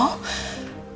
kamu harus cari anak itu